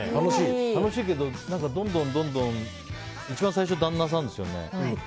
楽しいけど、どんどん一番最初、旦那さんですよね。